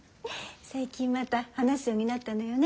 最近また話すようになったのよね？